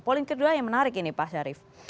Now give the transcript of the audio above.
poin kedua yang menarik ini pak syarif